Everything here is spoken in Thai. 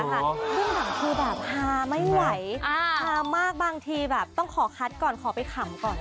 ครึ่งหลังคือแบบฮาไม่ไหวฮามากบางทีแบบต้องขอคัดก่อนขอไปขำก่อน